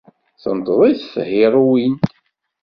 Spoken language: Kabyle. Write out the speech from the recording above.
Tenṭeḍ-it thiṛuwint.